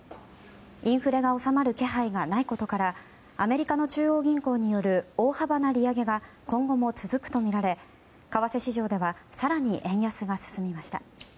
インフレが収まる気配がないことからアメリカの中央銀行による大幅な利上げが今後も続くとみられ為替市場では更に円安が進みました。